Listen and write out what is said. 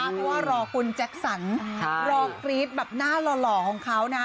เพราะว่ารอคุณแจ็คสันรอกรี๊ดแบบหน้าหล่อของเขานะ